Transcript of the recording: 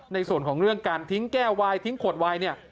ในส่วนของเรื่องการทิ้งแก้ววายทิ้งขวดวายเนี่ย